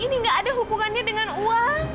ini gak ada hubungannya dengan uang